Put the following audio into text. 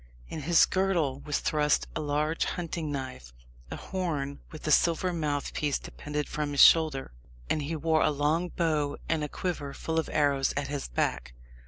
In his girdle was thrust a large hunting knife; a horn with a silver mouthpiece depended from his shoulder, and he wore a long bow and a quiver full of arrows at his back.